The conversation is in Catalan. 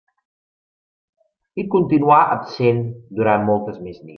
I continuà absent durant moltes més nits.